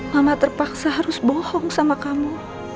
mama terpaksa harus bohong sama kamu